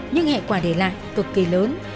nhưng hệ quả để lại cực kỳ lớn